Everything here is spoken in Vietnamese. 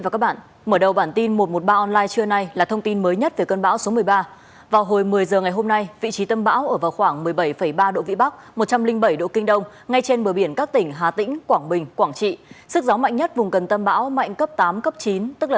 cảm ơn các bạn đã theo dõi